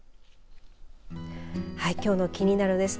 きょうのキニナル！です。